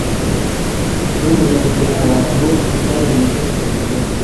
Tom yabwiye abantu bose icyari mumitekerereze ye